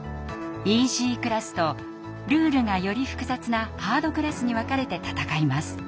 イージークラスとルールがより複雑なハードクラスに分かれて戦います。